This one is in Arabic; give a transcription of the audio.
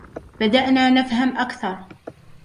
بدأنا نفهم أكثر.